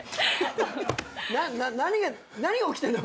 何が何が起きてるの⁉